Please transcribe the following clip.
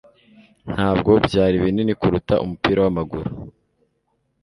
Ntabwo byari binini kuruta umupira wamaguru.